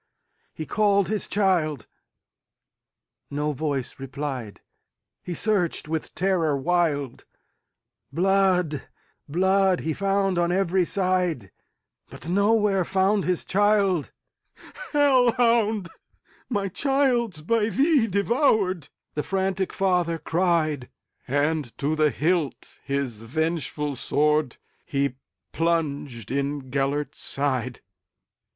He called his child,—no voice replied,—He searched with terror wild; Blood, blood, he found on every side, But nowhere found his child."Hell hound! my child 's by thee devoured,"The frantic father cried; And to the hilt his vengeful swordHe plunged in Gêlert's side.